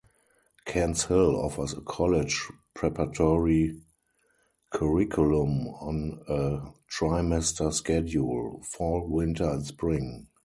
Kents Hill offers a college-preparatory curriculum on a trimester schedule: Fall, Winter, and Spring.